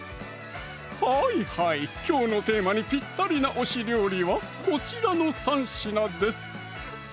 はいはいきょうのテーマにぴったりな推し料理はこちらの３品です